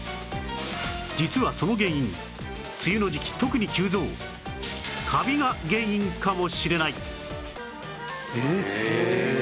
実はその原因梅雨の時期特に急増カビが原因かもしれない